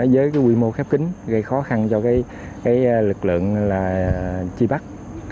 với quy mô khép kính gây khó khăn cho lực lượng truy bắt